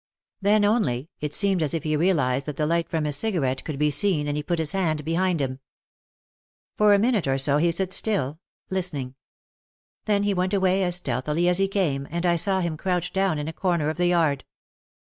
Then only, it seemed as if he realised that the light from his cigarette could be seen and he put his hand be hind him. For a minute or so he stood still, listening. Then he went away as stealthily as he came and I saw him crouch down in a corner of the yard.